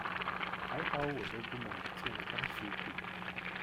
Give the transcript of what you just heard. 還好我都不買健康食品